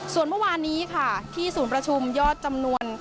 ส่วนเมื่อวานนี้ค่ะที่ศูนย์ประชุมยอดจำนวน